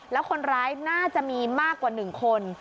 แล้วคนร้ายน่าจะมีมากกว่า๑คน